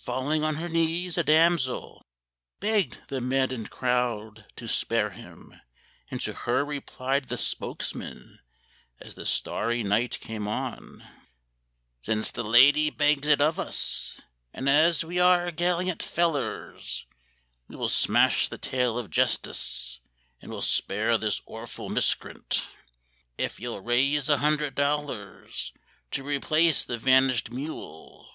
Falling on her knees, a damsel Begged the maddened crowd to spare him, And to her replied the spokesman, As the starry night came on:— "Since the lady begs it of us, And as we ar' galiant fellers, We will smash the tail of Jestis, And will spare this orful miscrint, Ef you'll raise a hundred dollars To replace the vanished mewel.